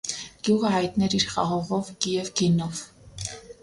Գյուղը հայտնի էր իր խաղողով և գինով։